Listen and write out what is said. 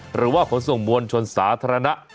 หรือว่าขนส่งมวลชนสาธารณะ